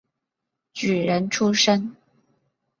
举人出身。